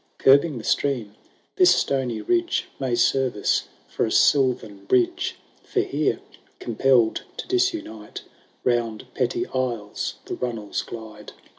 Curbing the stream, this stony ridge May serve us for a silvan bridge ; For here, compelPd to disimite. Round petty isles the runnels glide.